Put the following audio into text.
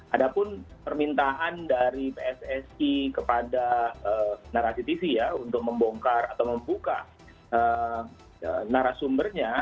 ada pun permintaan dari pssi kepada narasi tv ya untuk membongkar atau membuka narasumbernya